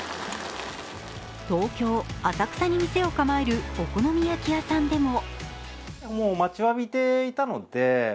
東京・浅草に店を構えるお好み焼き屋さんでも。